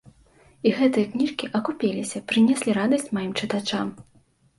І гэтыя кніжкі акупіліся, прынеслі радасць маім чытачам.